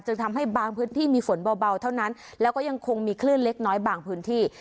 ทำให้บางพื้นที่มีฝนเบาเท่านั้นแล้วก็ยังคงมีคลื่นเล็กน้อยบางพื้นที่